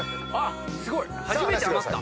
すごい！初めて余った。